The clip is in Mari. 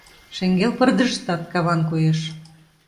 Шеҥгел пырдыжыштат каван коеш.